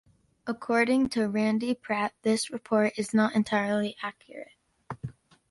According to Randy Pratt, this report is not entirely accurate.